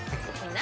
何？